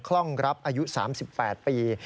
ล่องรับอายุ๓๘ปี